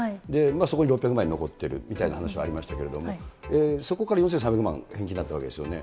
そこに６００万円残ってるみたいな話はありましたけれども、そこから４３００万返金になったわけですよね。